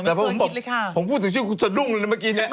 แต่พอพูดถึงชื่อคุณสะดุ้งเลยเมื่อกี้เนี่ย